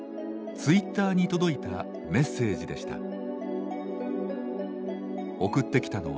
ツイッターに届いたメッセージでした。